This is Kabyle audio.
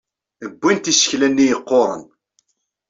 Bbint isekla-nni yeqquren.